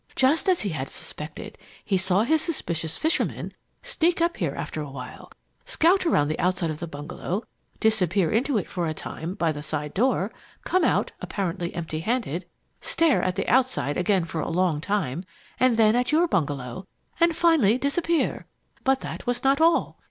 Just as he had suspected, he saw his suspicious fisherman sneak up here after a while, scout around the outside of the bungalow, disappear into it for a time, by the side door, come out, apparently empty handed, stare at the outside again for a long time, and then at your bungalow, and finally disappear. But that was not all.